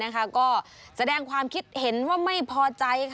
ก็แสดงความคิดเห็นว่าไม่พอใจ